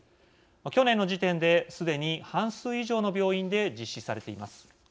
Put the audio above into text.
去年の時点ですでに半数以上の病院で実施されています。